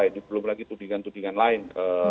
ini belum lagi tudingan tudingan lain